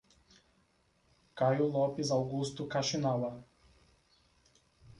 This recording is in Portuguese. Caio Lopes Augusto Kaxinawa